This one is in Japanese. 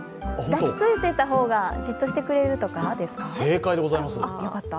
抱きついていた方がじっとしてくれるとかですか？